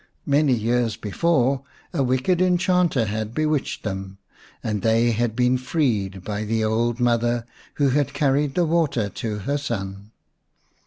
Many years before a wicked enchanter had bewitched them, and they had been freed by the old mother who had carried the water to her son.